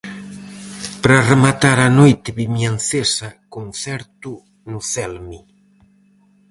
Para rematar a noite vimiancesa, concerto no Celme.